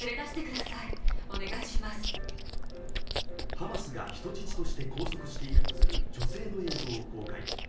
ハマスが人質として拘束しているとする女性の映像を公開。